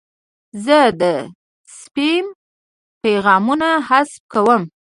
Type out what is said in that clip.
زه د سپیم پیغامونه حذف کوم.